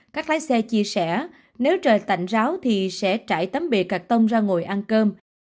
các lái xe chia sẻ nếu trời tạnh ráo thì sẽ trải tấm bè cạc tông ra ngồi ăn cơm